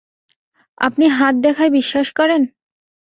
আপনি হাত দেখায় বিশ্বাস করেন?